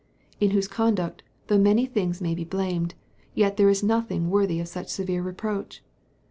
in whose conduct, though many things may be blamed, yet there is nothing worthy of such severe reproach!